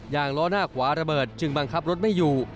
ล้อหน้าขวาระเบิดจึงบังคับรถไม่อยู่